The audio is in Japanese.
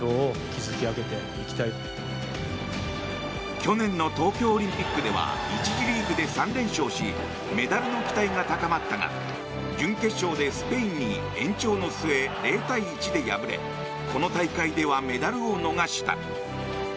去年の東京オリンピックでは１次リーグで３連勝しメダルの期待が高まったが準決勝でスペインに、延長の末０対１で敗れこの大会ではメダルを逃した。